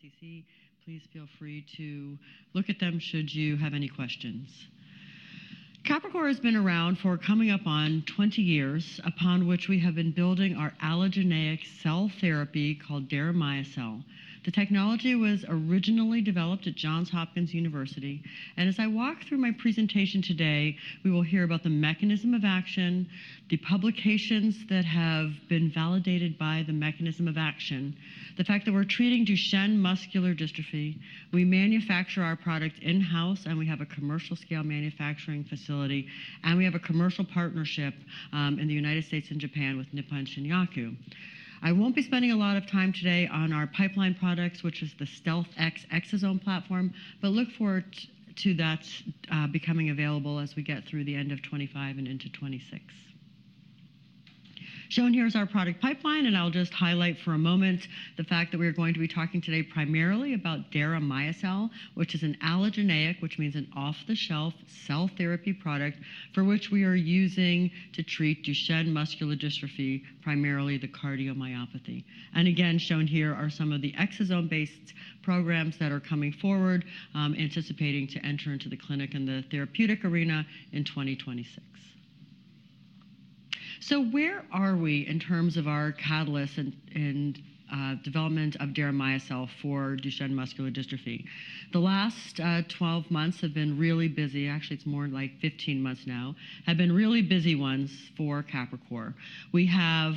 SEC, please feel free to look at them should you have any questions. Capricor has been around for coming up on 20 years, upon which we have been building our allogeneic cell therapy called deramiocel. The technology was originally developed at Johns Hopkins University, and as I walk through my presentation today, we will hear about the mechanism of action, the publications that have been validated by the mechanism of action, the fact that we're treating Duchenne muscular dystrophy. We manufacture our product in-house, and we have a commercial-scale manufacturing facility, and we have a commercial partnership in the United States and Japan with Nippon Shinyaku. I won't be spending a lot of time today on our pipeline products, which is the StealthX exosome platform, but look forward to that becoming available as we get through the end of 2025 and into 2026. Shown here is our product pipeline, and I'll just highlight for a moment the fact that we are going to be talking today primarily about deramiocel, which is an allogeneic, which means an off-the-shelf cell therapy product for which we are using to treat Duchenne muscular dystrophy, primarily the cardiomyopathy. Again, shown here are some of the exosome-based programs that are coming forward, anticipating to enter into the clinic and the therapeutic arena in 2026. Where are we in terms of our catalyst and development of deramiocel for Duchenne muscular dystrophy? The last 12 months have been really busy; actually, it's more like 15 months now, have been really busy ones for Capricor. We have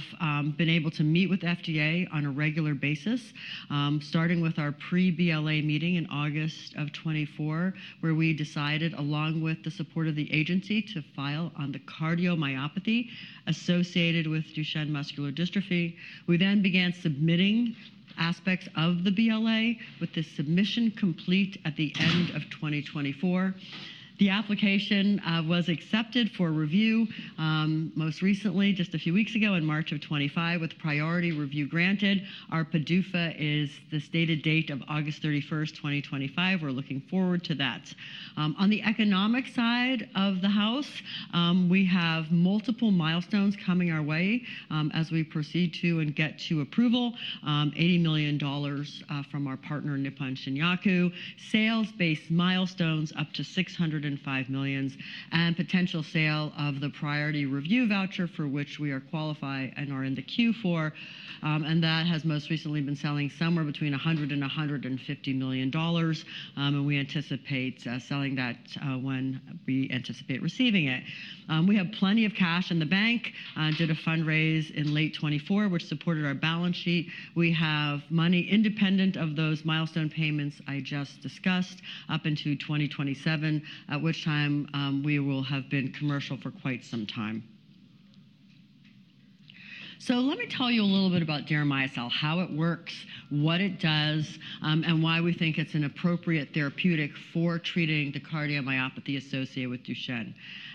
been able to meet with the FDA on a regular basis, starting with our pre-BLA meeting in August of 2024, where we decided, along with the support of the agency, to file on the cardiomyopathy associated with Duchenne muscular dystrophy. We then began submitting aspects of the BLA with the submission complete at the end of 2024. The application was accepted for review most recently, just a few weeks ago in March of 2025, with priority review granted. Our PDUFA is the stated date of August 31, 2025. We're looking forward to that. On the economic side of the house, we have multiple milestones coming our way as we proceed to and get to approval: $80 million from our partner, Nippon Shinyaku, sales-based milestones up to $605 million, and potential sale of the priority review voucher for which we are qualified and are in the queue for. That has most recently been selling somewhere between $100 million and $150 million, and we anticipate selling that when we anticipate receiving it. We have plenty of cash in the bank. I did a fundraise in late 2024, which supported our balance sheet. We have money independent of those milestone payments I just discussed up into 2027, at which time we will have been commercial for quite some time. Let me tell you a little bit about deramiocel, how it works, what it does, and why we think it's an appropriate therapeutic for treating the cardiomyopathy associated with Duchenne.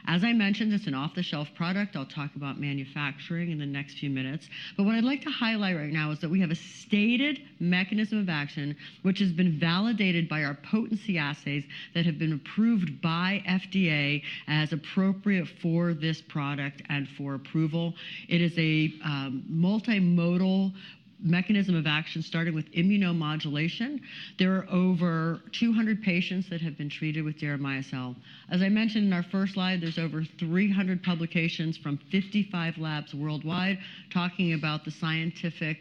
As I mentioned, it's an off-the-shelf product. I'll talk about manufacturing in the next few minutes. What I'd like to highlight right now is that we have a stated mechanism of action, which has been validated by our potency assays that have been approved by the FDA as appropriate for this product and for approval. It is a multimodal mechanism of action starting with immunomodulation. There are over 200 patients that have been treated with deramiocel. As I mentioned in our first slide, there's over 300 publications from 55 labs worldwide talking about the scientific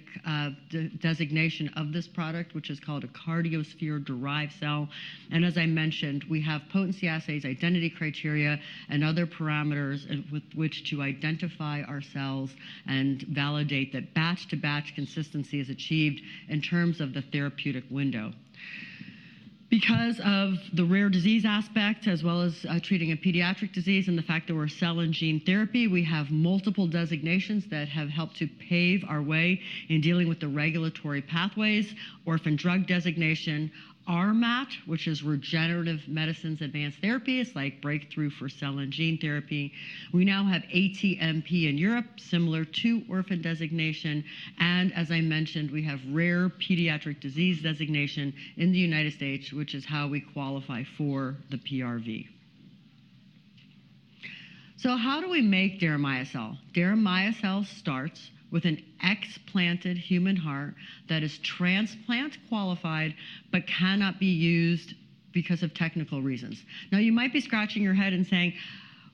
designation of this product, which is called a cardiosphere-derived cell. As I mentioned, we have potency assays, identity criteria, and other parameters with which to identify our cells and validate that batch-to-batch consistency is achieved in terms of the therapeutic window. Because of the rare disease aspect, as well as treating a pediatric disease and the fact that we're a cell and gene therapy, we have multiple designations that have helped to pave our way in dealing with the regulatory pathways: orphan drug designation, RMAT, which is Regenerative Medicine Advanced Therapy, it's like Breakthrough for cell and gene therapy. We now have ATMP in Europe, similar to orphan designation. As I mentioned, we have rare pediatric disease designation in the United States, which is how we qualify for the PRV. How do we make deramiocel? Deramiocel starts with an explanted human heart that is transplant-qualified but cannot be used because of technical reasons. Now, you might be scratching your head and saying,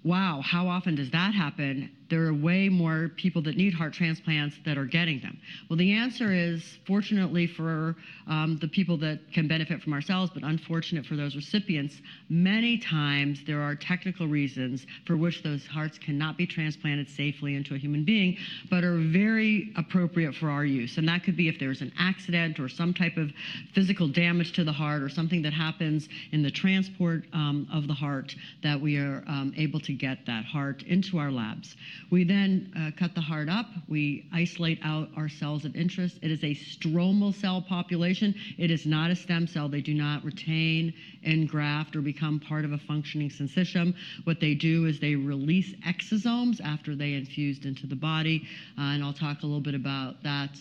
"Wow, how often does that happen? There are way more people that need heart transplants than are getting them. The answer is, fortunately for the people that can benefit from our cells, but unfortunately for those recipients, many times there are technical reasons for which those hearts cannot be transplanted safely into a human being, but are very appropriate for our use. That could be if there is an accident or some type of physical damage to the heart or something that happens in the transport of the heart that we are able to get that heart into our labs. We then cut the heart up. We isolate out our cells of interest. It is a stromal cell population. It is not a stem cell. They do not retain and graft or become part of a functioning syncytium. What they do is they release exosomes after they are infused into the body. I'll talk a little bit about that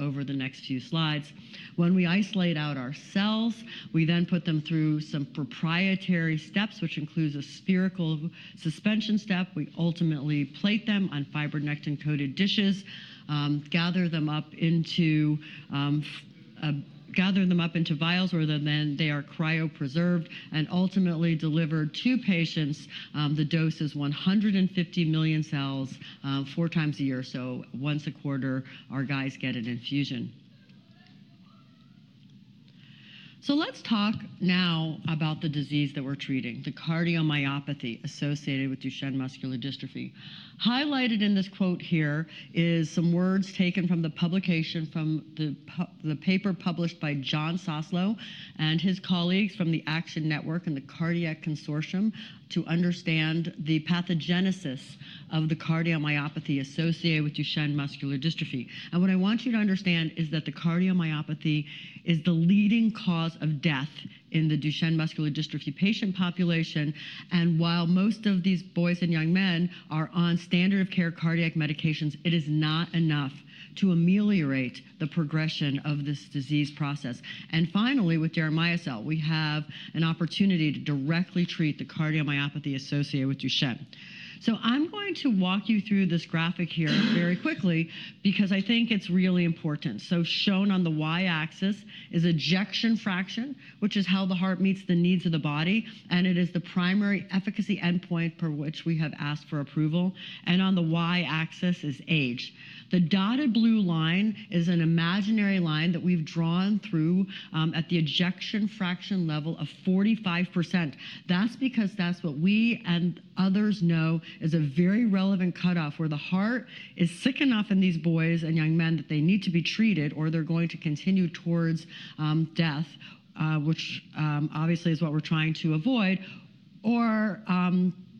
over the next few slides. When we isolate out our cells, we then put them through some proprietary steps, which includes a spherical suspension step. We ultimately plate them on fibronectin-coated dishes, gather them up into vials where then they are cryopreserved and ultimately delivered to patients. The dose is 150 million cells four times a year. Once a quarter, our guys get an infusion. Let's talk now about the disease that we're treating, the cardiomyopathy associated with Duchenne muscular dystrophy. Highlighted in this quote here are some words taken from the publication from the paper published by John Soslow and his colleagues from the ACTION Network and the Cardiac Consortium to understand the pathogenesis of the cardiomyopathy associated with Duchenne muscular dystrophy. What I want you to understand is that the cardiomyopathy is the leading cause of death in the Duchenne muscular dystrophy patient population. While most of these boys and young men are on standard-of-care cardiac medications, it is not enough to ameliorate the progression of this disease process. Finally, with deramiocel, we have an opportunity to directly treat the cardiomyopathy associated with Duchenne. I am going to walk you through this graphic here very quickly because I think it is really important. Shown on the Y-axis is ejection fraction, which is how the heart meets the needs of the body, and it is the primary efficacy endpoint for which we have asked for approval. On the Y-axis is age. The dotted blue line is an imaginary line that we have drawn through at the ejection fraction level of 45%. That's because that's what we and others know is a very relevant cutoff where the heart is sick enough in these boys and young men that they need to be treated or they're going to continue towards death, which obviously is what we're trying to avoid, or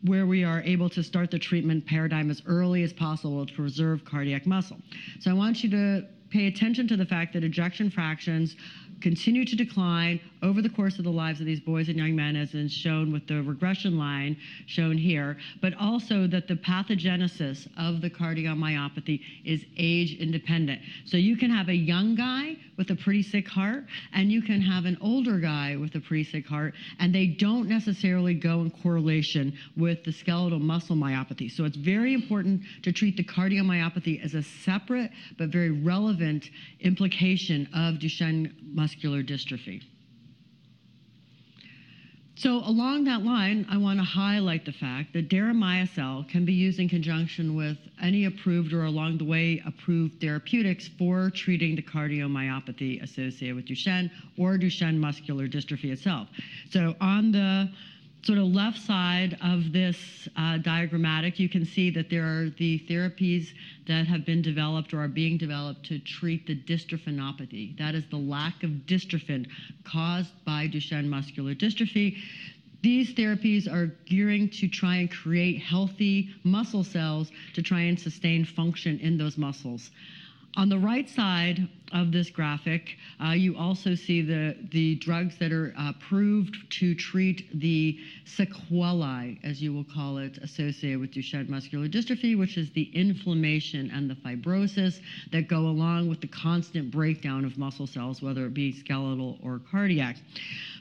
where we are able to start the treatment paradigm as early as possible to preserve cardiac muscle. I want you to pay attention to the fact that ejection fractions continue to decline over the course of the lives of these boys and young men, as is shown with the regression line shown here, but also that the pathogenesis of the cardiomyopathy is age-independent. You can have a young guy with a pretty sick heart, and you can have an older guy with a pretty sick heart, and they don't necessarily go in correlation with the skeletal muscle myopathy. It is very important to treat the cardiomyopathy as a separate but very relevant implication of Duchenne muscular dystrophy. Along that line, I want to highlight the fact that deramiocel can be used in conjunction with any approved or along-the-way approved therapeutics for treating the cardiomyopathy associated with Duchenne or Duchenne muscular dystrophy itself. On the sort of left side of this diagrammatic, you can see that there are the therapies that have been developed or are being developed to treat the dystrophinopathy. That is the lack of dystrophin caused by Duchenne muscular dystrophy. These therapies are gearing to try and create healthy muscle cells to try and sustain function in those muscles. On the right side of this graphic, you also see the drugs that are approved to treat the sequelae, as you will call it, associated with Duchenne muscular dystrophy, which is the inflammation and the fibrosis that go along with the constant breakdown of muscle cells, whether it be skeletal or cardiac.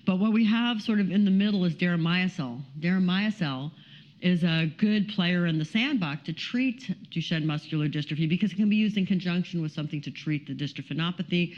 What we have sort of in the middle is deramiocel. Deramiocel is a good player in the sandbox to treat Duchenne muscular dystrophy because it can be used in conjunction with something to treat the dystrophinopathy.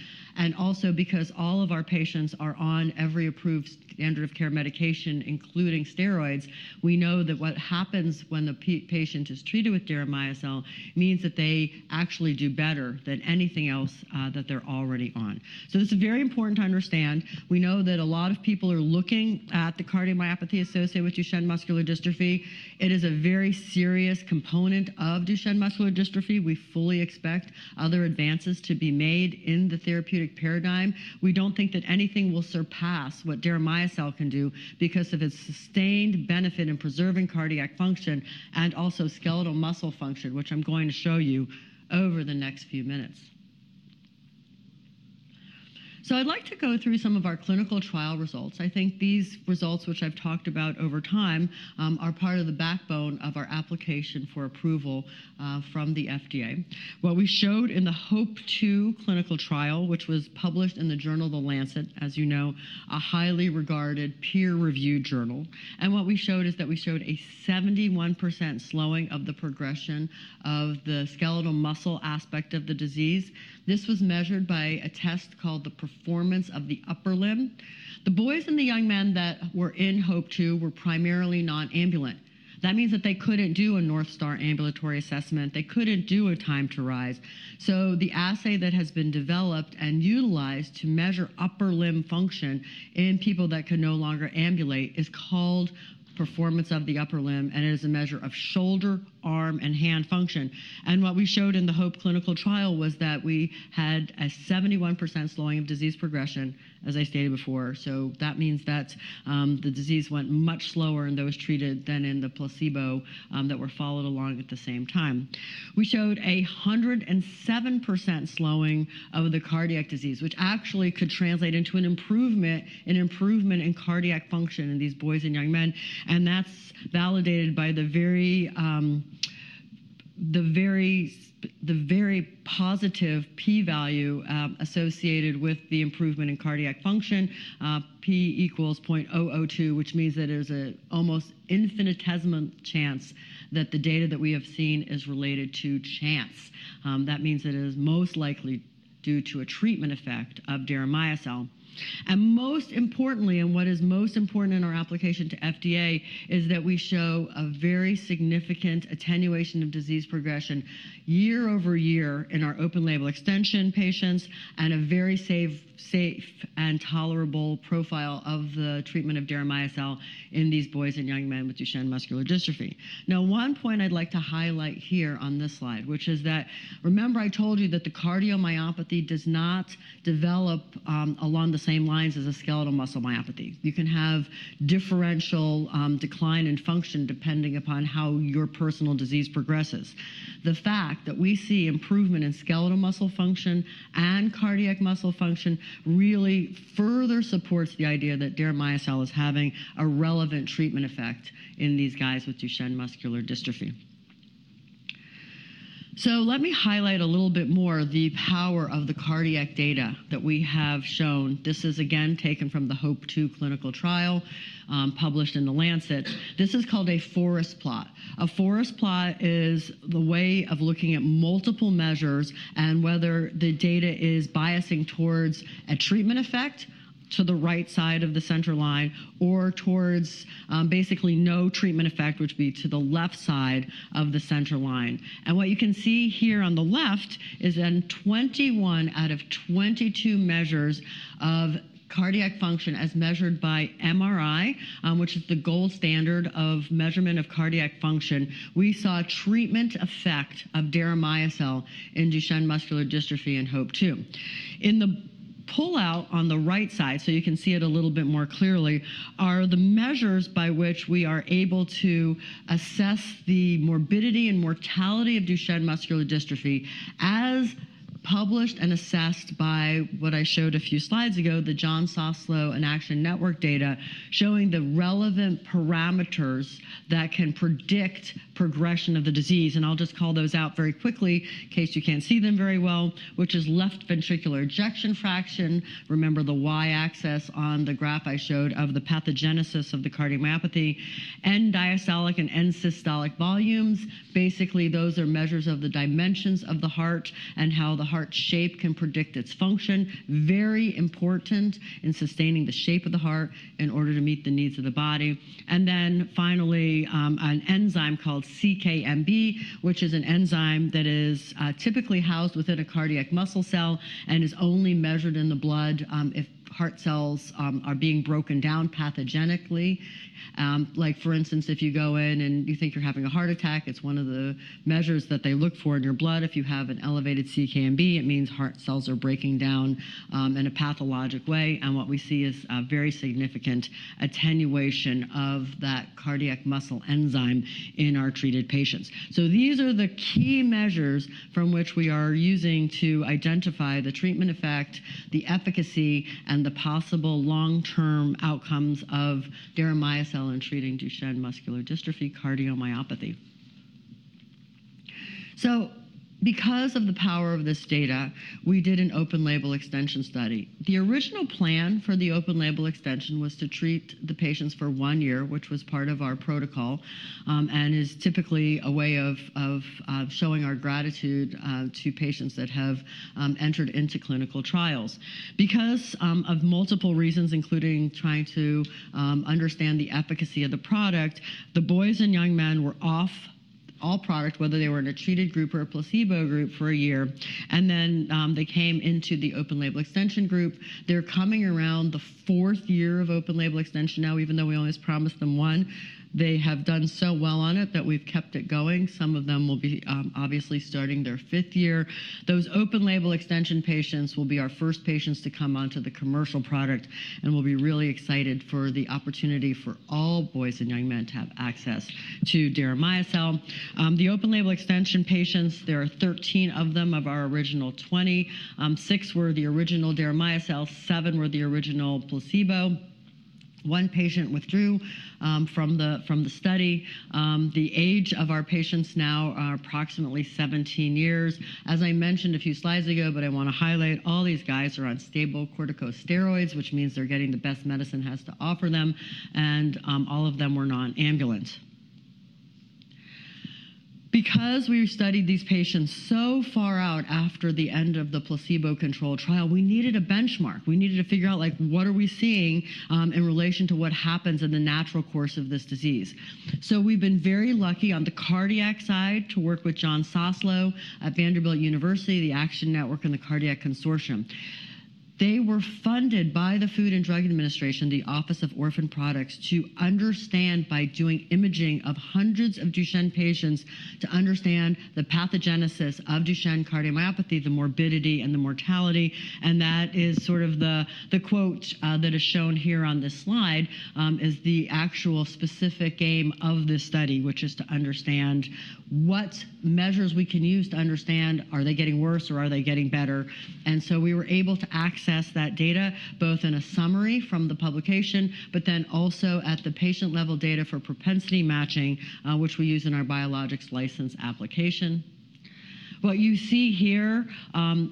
Also, because all of our patients are on every approved standard-of-care medication, including steroids, we know that what happens when the patient is treated with deramiocel means that they actually do better than anything else that they're already on. This is very important to understand. We know that a lot of people are looking at the cardiomyopathy associated with Duchenne muscular dystrophy. It is a very serious component of Duchenne muscular dystrophy. We fully expect other advances to be made in the therapeutic paradigm. We don't think that anything will surpass what deramiocel can do because of its sustained benefit in preserving cardiac function and also skeletal muscle function, which I'm going to show you over the next few minutes. I would like to go through some of our clinical trial results. I think these results, which I've talked about over time, are part of the backbone of our application for approval from the FDA. What we showed in the HOPE-2 clinical trial, which was published in the journal The Lancet, as you know, a highly regarded peer-reviewed journal. What we showed is that we showed a 71% slowing of the progression of the skeletal muscle aspect of the disease. This was measured by a test called the Performance of the Upper Limb. The boys and the young men that were in HOPE-2 were primarily non-ambulant. That means that they could not do a North Star Ambulatory Assessment. They could not do a time-to-rise. The assay that has been developed and utilized to measure upper limb function in people that can no longer ambulate is called Performance of the Upper Limb, and it is a measure of shoulder, arm, and hand function. What we showed in the HOPE clinical trial was that we had a 71% slowing of disease progression, as I stated before. That means that the disease went much slower in those treated than in the placebo that were followed along at the same time. We showed a 107% slowing of the cardiac disease, which actually could translate into an improvement in cardiac function in these boys and young men. That is validated by the very positive p-value associated with the improvement in cardiac function. p equals 0.002, which means that it is an almost infinitesimal chance that the data that we have seen is related to chance. That means that it is most likely due to a treatment effect of deramiocel. Most importantly, and what is most important in our application to FDA, is that we show a very significant attenuation of disease progression year over year in our open-label extension patients and a very safe and tolerable profile of the treatment of deramiocel in these boys and young men with Duchenne muscular dystrophy. Now, one point I'd like to highlight here on this slide, which is that, remember I told you that the cardiomyopathy does not develop along the same lines as a skeletal muscle myopathy. You can have differential decline in function depending upon how your personal disease progresses. The fact that we see improvement in skeletal muscle function and cardiac muscle function really further supports the idea that deramiocel is having a relevant treatment effect in these guys with Duchenne muscular dystrophy. Let me highlight a little bit more the power of the cardiac data that we have shown. This is, again, taken from the HOPE-2 clinical trial published in The Lancet. This is called a forest plot. A forest plot is the way of looking at multiple measures and whether the data is biasing towards a treatment effect to the right side of the center line or towards basically no treatment effect, which would be to the left side of the center line. What you can see here on the left is then 21 out of 22 measures of cardiac function as measured by MRI, which is the gold standard of measurement of cardiac function. We saw a treatment effect of deramiocel in Duchenne muscular dystrophy in HOPE-2. In the pullout on the right side, so you can see it a little bit more clearly, are the measures by which we are able to assess the morbidity and mortality of Duchenne muscular dystrophy as published and assessed by what I showed a few slides ago, the John Soslow and ACTION Network data showing the relevant parameters that can predict progression of the disease. I'll just call those out very quickly in case you can't see them very well, which is left ventricular ejection fraction. Remember the Y-axis on the graph I showed of the pathogenesis of the cardiomyopathy and diastolic and end-systolic volumes. Basically, those are measures of the dimensions of the heart and how the heart shape can predict its function. Very important in sustaining the shape of the heart in order to meet the needs of the body. Finally, an enzyme called CK-MB, which is an enzyme that is typically housed within a cardiac muscle cell and is only measured in the blood if heart cells are being broken down pathogenically. Like, for instance, if you go in and you think you're having a heart attack, it's one of the measures that they look for in your blood. If you have an elevated CK-MB, it means heart cells are breaking down in a pathologic way. What we see is a very significant attenuation of that cardiac muscle enzyme in our treated patients. These are the key measures from which we are using to identify the treatment effect, the efficacy, and the possible long-term outcomes of deramiocel in treating Duchenne muscular dystrophy cardiomyopathy. Because of the power of this data, we did an open-label extension study. The original plan for the open-label extension was to treat the patients for one year, which was part of our protocol and is typically a way of showing our gratitude to patients that have entered into clinical trials. Because of multiple reasons, including trying to understand the efficacy of the product, the boys and young men were off all product, whether they were in a treated group or a placebo group for a year. They came into the open-label extension group. They're coming around the fourth year of open-label extension now, even though we always promised them one. They have done so well on it that we've kept it going. Some of them will be obviously starting their fifth year. Those open-label extension patients will be our first patients to come onto the commercial product, and we'll be really excited for the opportunity for all boys and young men to have access to deramiocel. The open-label extension patients, there are 13 of them of our original 20. Six were the original deramiocel. Seven were the original placebo. One patient withdrew from the study. The age of our patients now are approximately 17 years. As I mentioned a few slides ago, I want to highlight all these guys are on stable corticosteroids, which means they're getting the best medicine has to offer them. All of them were non-ambulant. Because we studied these patients so far out after the end of the placebo-controlled trial, we needed a benchmark. We needed to figure out, like, what are we seeing in relation to what happens in the natural course of this disease. We have been very lucky on the cardiac side to work with John Soslow at Vanderbilt University, the ACTION Network, and the Cardiac Consortium. They were funded by the Food and Drug Administration, the Office of Orphan Products, to understand by doing imaging of hundreds of Duchenne patients to understand the pathogenesis of Duchenne cardiomyopathy, the morbidity, and the mortality. That is sort of the quote that is shown here on this slide, which is the actual specific aim of this study, which is to understand what measures we can use to understand, are they getting worse or are they getting better? We were able to access that data both in a summary from the publication, but then also at the patient-level data for propensity matching, which we use in our Biologics License Application. What you see here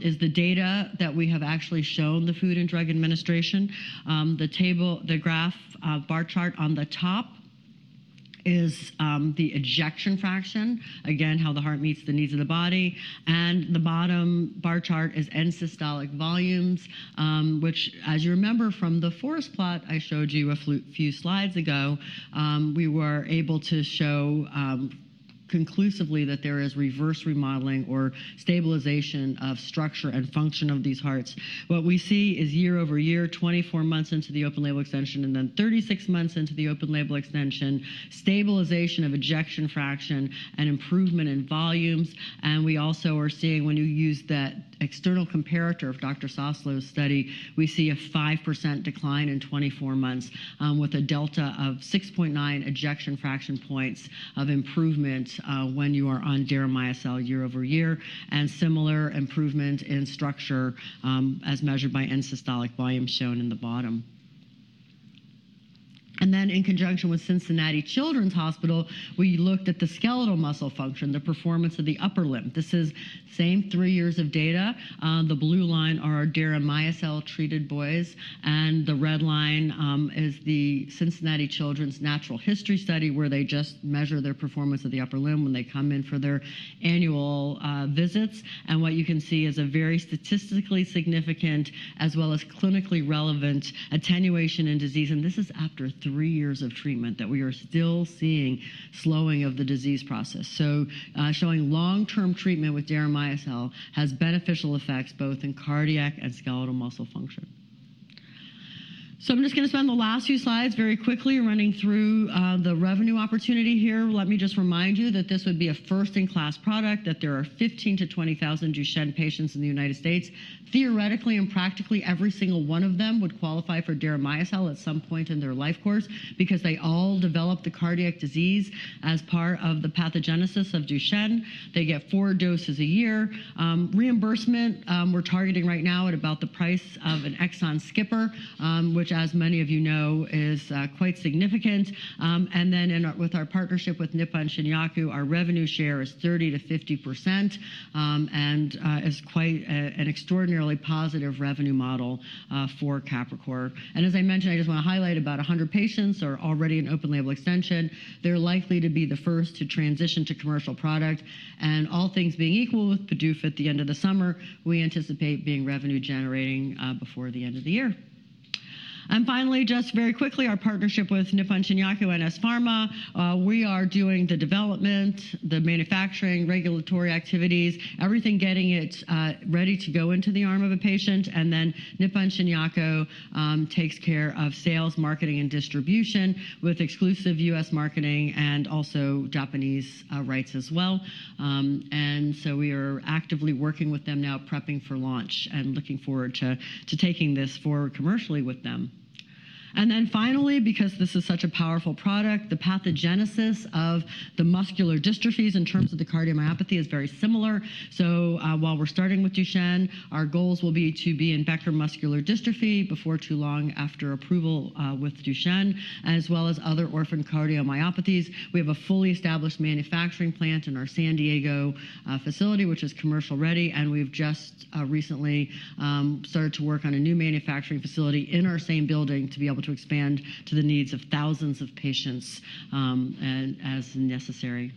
is the data that we have actually shown the Food and Drug Administration. The table, the graph bar chart on the top is the ejection fraction, again, how the heart meets the needs of the body. The bottom bar chart is end-systolic volumes, which, as you remember from the forest plot I showed you a few slides ago, we were able to show conclusively that there is reverse remodeling or stabilization of structure and function of these hearts. What we see is year over year, 24 months into the open-label extension, and then 36 months into the open-label extension, stabilization of ejection fraction and improvement in volumes. We also are seeing when you use that external comparator of Dr. Soslow's study, we see a 5% decline in 24 months with a delta of 6.9 ejection fraction points of improvement when you are on deramiocel year over year. Similar improvement in structure as measured by end-systolic volume is shown in the bottom. In conjunction with Cincinnati Children's Hospital, we looked at the skeletal muscle function, the Performance of the Upper Limb. This is the same three years of data. The blue line is our deramiocel treated boys, and the red line is the Cincinnati Children's natural history study where they just measure their Performance of the Upper Limb when they come in for their annual visits. What you can see is a very statistically significant as well as clinically relevant attenuation in disease. This is after three years of treatment that we are still seeing slowing of the disease process. Showing long-term treatment with deramiocel has beneficial effects both in cardiac and skeletal muscle function. I'm just going to spend the last few slides very quickly running through the revenue opportunity here. Let me just remind you that this would be a first-in-class product, that there are 15,000-20,000 Duchenne patients in the United States. Theoretically and practically, every single one of them would qualify for deramiocel at some point in their life course because they all develop the cardiac disease as part of the pathogenesis of Duchenne. They get four doses a year. Reimbursement, we're targeting right now at about the price of an Exondys 51, which, as many of you know, is quite significant. With our partnership with Nippon Shinyaku, our revenue share is 30%-50% and is quite an extraordinarily positive revenue model for Capricor. As I mentioned, I just want to highlight about 100 patients are already in open-label extension. They're likely to be the first to transition to commercial product. All things being equal, with PDUFA at the end of the summer, we anticipate being revenue-generating before the end of the year. Finally, just very quickly, our partnership with Nippon Shinyaku and NS Pharma. We are doing the development, the manufacturing, regulatory activities, everything getting it ready to go into the arm of a patient. Nippon Shinyaku takes care of sales, marketing, and distribution with exclusive U.S. marketing and also Japanese rights as well. We are actively working with them now, prepping for launch and looking forward to taking this forward commercially with them. Finally, because this is such a powerful product, the pathogenesis of the muscular dystrophies in terms of the cardiomyopathy is very similar. While we're starting with Duchenne, our goals will be to be in Becker muscular dystrophy before too long after approval with Duchenne, as well as other orphan cardiomyopathies. We have a fully established manufacturing plant in our San Diego facility, which is commercial ready. We have just recently started to work on a new manufacturing facility in our same building to be able to expand to the needs of thousands of patients as necessary.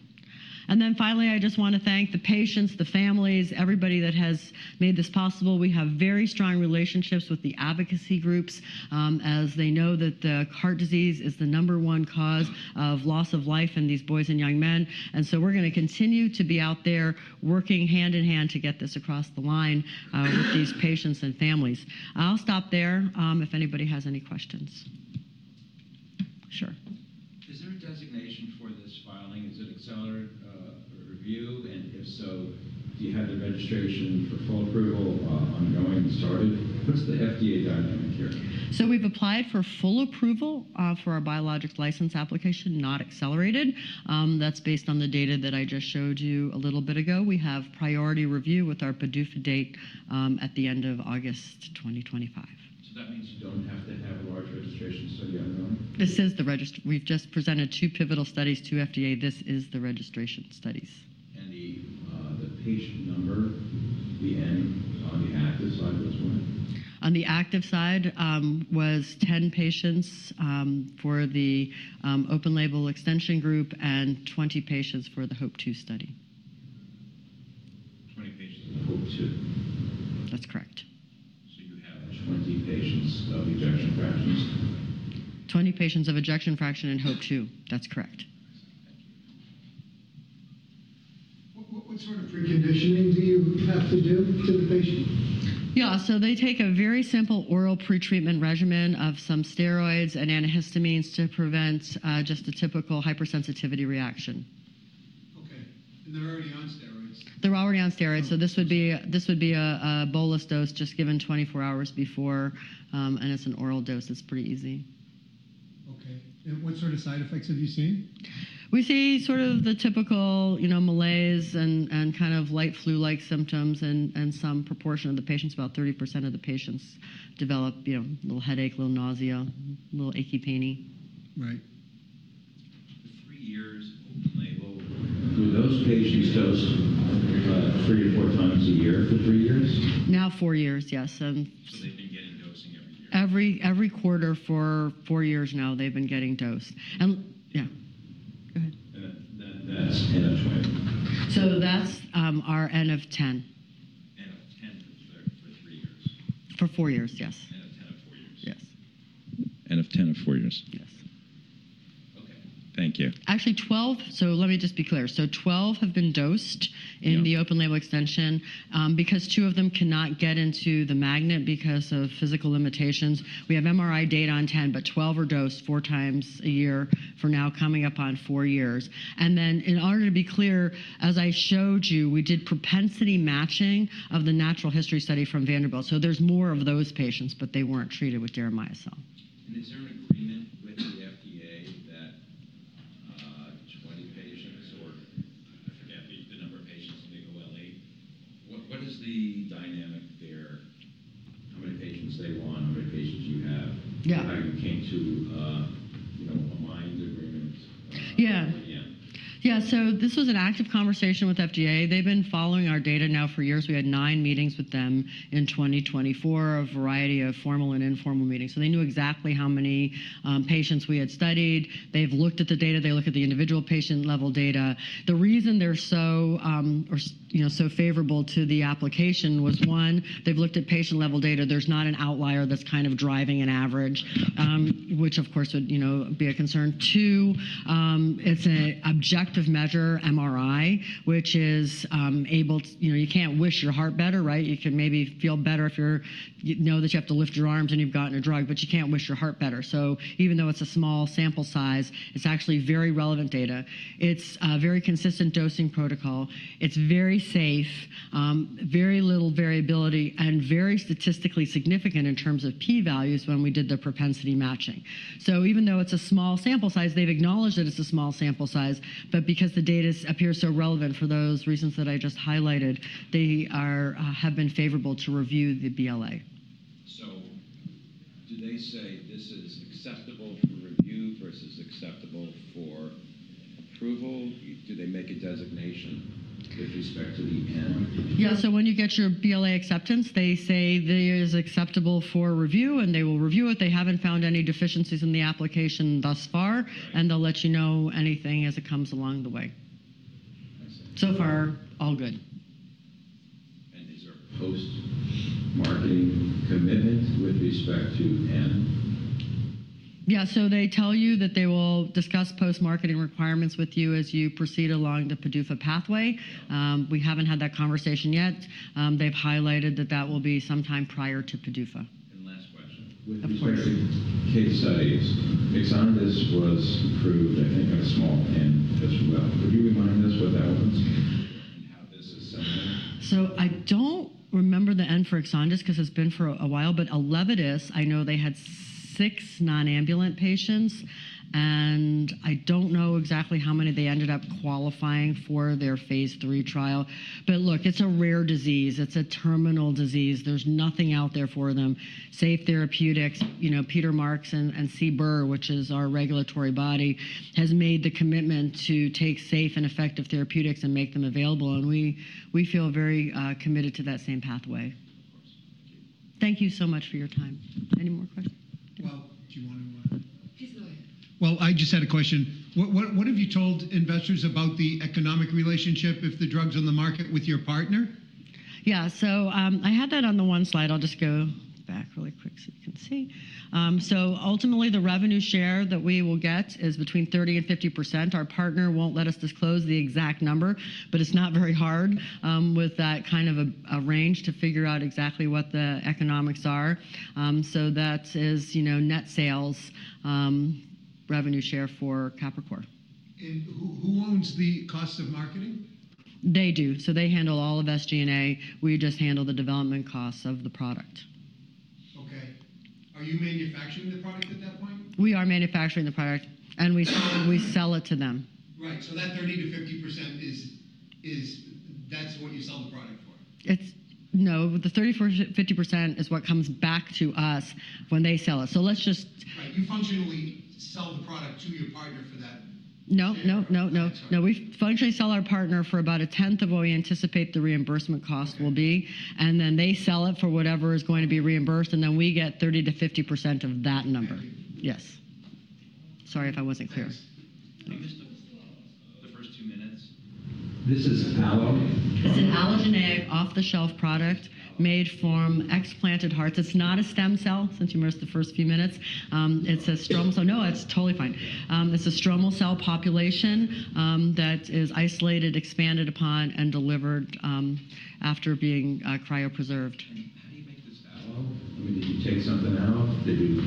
Finally, I just want to thank the patients, the families, everybody that has made this possible. We have very strong relationships with the advocacy groups as they know that the heart disease is the number one cause of loss of life in these boys and young men. We're going to continue to be out there working hand in hand to get this across the line with these patients and families. I'll stop there if anybody has any questions. Sure. Is there a designation for this filing? Is it accelerated review? And if so, do you have the registration for full approval ongoing and started? What's the FDA dynamic here? We have applied for full approval for our Biologics License Application, not accelerated. That's based on the data that I just showed you a little bit ago. We have priority review with our PDUFA date at the end of August 2025. That means you don't have to have a large registration, so you're ongoing? This is the registry. We've just presented two pivotal studies to FDA. This is the registration studies. And the patient number, the N on the active side was what? On the active side was 10 patients for the open-label extension group and 20 patients for the HOPE-2 study. 20 patients in HOPE-2. That's correct. So you have 20 patients of ejection fractions? 20 patients of ejection fraction in HOPE-2. That's correct. Thank you. What sort of preconditioning do you have to do to the patient? Yeah. They take a very simple oral pretreatment regimen of some steroids and antihistamines to prevent just a typical hypersensitivity reaction. Okay. They're already on steroids. They're already on steroids. This would be a bolus dose just given 24 hours before. It's an oral dose. It's pretty easy. Okay. What sort of side effects have you seen? We see sort of the typical malaise and kind of light flu-like symptoms in some proportion of the patients. About 30% of the patients develop a little headache, a little nausea, a little achy pain. Right. For three years, open-label, do those patients dose three or four times a year for three years? Now four years, yes. They've been getting dosing every year? Every quarter for four years now they've been getting dosed. Yeah. Go ahead. That's N of 20. That's our N of 10. N of 10 for three years? For four years, yes. N of 10 of four years? Yes. N of 10 of four years? Yes. Okay. Thank you. Actually, 12. Let me just be clear. Twelve have been dosed in the open-label extension because two of them cannot get into the magnet because of physical limitations. We have MRI data on 10, but 12 are dosed four times a year for now coming up on four years. In order to be clear, as I showed you, we did propensity matching of the natural history study from Vanderbilt. There are more of those patients, but they were not treated with deramiocel. Is there an agreement with the FDA that 20 patients or I forget the number of patients in the OLE? What is the dynamic there? How many patients they want, how many patients you have, how you came to a mind agreement? Yeah. Yeah. This was an active conversation with FDA. They have been following our data now for years. We had nine meetings with them in 2024, a variety of formal and informal meetings. They knew exactly how many patients we had studied. They have looked at the data. They look at the individual patient-level data. The reason they are so favorable to the application was, one, they have looked at patient-level data. There's not an outlier that's kind of driving an average, which of course would be a concern. Two, it's an objective measure, MRI, which is able to—you can't wish your heart better, right? You can maybe feel better if you know that you have to lift your arms and you've gotten a drug, but you can't wish your heart better. Even though it's a small sample size, it's actually very relevant data. It's a very consistent dosing protocol. It's very safe, very little variability, and very statistically significant in terms of p-values when we did the propensity matching. Even though it's a small sample size, they've acknowledged that it's a small sample size. Because the data appears so relevant for those reasons that I just highlighted, they have been favorable to review the BLA. Do they say this is acceptable for review versus acceptable for approval? Do they make a designation with respect to the N? Yeah. When you get your BLA acceptance, they say this is acceptable for review, and they will review it. They have not found any deficiencies in the application thus far, and they will let you know anything as it comes along the way. So far, all good. Is there a post-marketing commitment with respect to N? Yeah. They tell you that they will discuss post-marketing requirements with you as you proceed along the PDUFA pathway. We have not had that conversation yet. They have highlighted that that will be sometime prior to PDUFA. Last question. With the case studies, Exondys 51 was approved, I think, on a small N as well. Could you remind us what that one is and how this is set up? I do not remember the N for Exondys because it has been for a while. But Elevidys, I know they had six non-ambulant patients. I do not know exactly how many they ended up qualifying for their phase three trial. Look, it is a rare disease. It is a terminal disease. There is nothing out there for them. Sarepta Therapeutics, Peter Marks and CBER, which is our regulatory body, has made the commitment to take safe and effective therapeutics and make them available. We feel very committed to that same pathway. Of course. Thank you. Thank you so much for your time. Any more questions? Do you want to? Please go ahead. I just had a question. What have you told investors about the economic relationship if the drug is on the market with your partner? Yeah. I had that on the one slide. I'll just go back really quick so you can see. Ultimately, the revenue share that we will get is between 30% and 50%. Our partner won't let us disclose the exact number, but it's not very hard with that kind of a range to figure out exactly what the economics are. That is net sales revenue share for Capricor. Who owns the cost of marketing? They do. They handle all of SG&A. We just handle the development costs of the product. Okay. Are you manufacturing the product at that point? We are manufacturing the product, and we sell it to them. Right. That 30% to 50%, that's what you sell the product for? No. The 30% to 50% is what comes back to us when they sell it. Let's just—Right. You functionally sell the product to your partner for that? No, no, no, no. No, we functionally sell our partner for about a tenth of what we anticipate the reimbursement cost will be. They sell it for whatever is going to be reimbursed, and then we get 30%-50% of that number. Yes. Sorry if I wasn't clear. Thanks. Just the first two minutes. This is Allo. It's an allogeneic off-the-shelf product made from explanted hearts. It's not a stem cell since you missed the first few minutes. It's a stromal—oh no, it's totally fine. It's a stromal cell population that is isolated, expanded upon, and delivered after being cryopreserved. How do you make this allo? I mean, did you take something out? Did you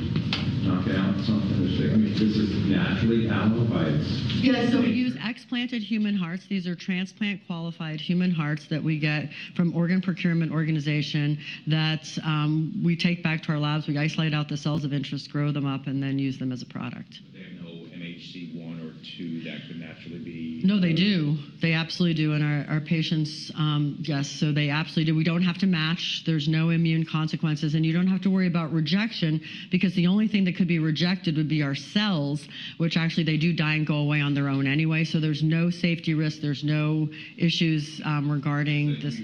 knock out something or say—I mean, this is naturally allo by its— Yeah. We use explanted human hearts. These are transplant-qualified human hearts that we get from organ procurement organization that we take back to our labs. We isolate out the cells of interest, grow them up, and then use them as a product. They have no MHC I or II that could naturally be— No, they do. They absolutely do. And our patients, yes. They absolutely do. We don't have to match. There's no immune consequences. You don't have to worry about rejection because the only thing that could be rejected would be our cells, which actually do die and go away on their own anyway. There's no safety risk. There's no issues regarding this—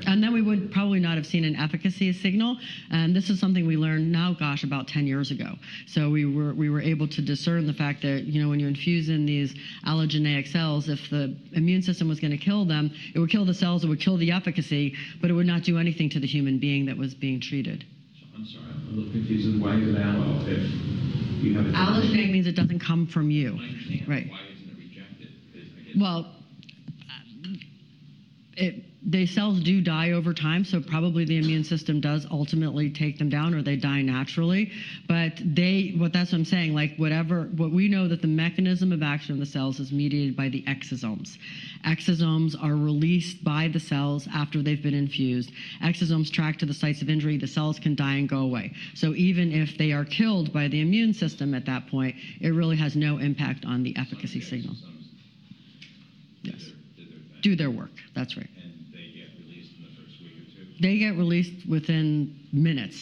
Without a problem. Without a problem. We would probably not have seen an efficacy signal. This is something we learned, now gosh, about 10 years ago. We were able to discern the fact that when you infuse in these allogeneic cells, if the immune system was going to kill them, it would kill the cells. It would kill the efficacy, but it would not do anything to the human being that was being treated. I'm sorry. I'm a little confused as to why is it allo if you have a— Allo means it does not come from you. I understand. Why is it not rejected? I guess the cells do die over time, so probably the immune system does ultimately take them down or they die naturally. That's what I'm saying. What we know is that the mechanism of action of the cells is mediated by the exosomes. Exosomes are released by the cells after they've been infused. Exosomes track to the sites of injury. The cells can die and go away. Even if they are killed by the immune system at that point, it really has no impact on the efficacy signal. Yes. Do their— Do their work. That's right. And they get released in the first week or two? They get released within minutes.